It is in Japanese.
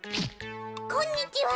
こんにちは。